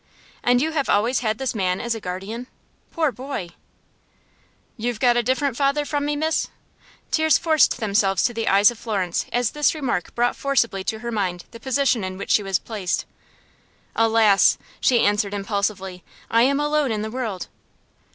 "And you have always had this man as a guardian? Poor boy!" "You've got a different father from me, miss?" Tears forced themselves to the eyes of Florence, as this remark brought forcibly to her mind the position in which she was placed. "Alas!" she answered, impulsively, "I am alone in the world!"